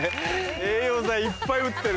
栄養剤いっぱい打ってる。